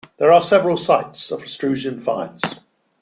There are several sites of Etruscan finds.